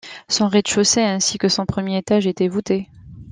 Son rez-de-chaussée ainsi que son premier étage était voûté.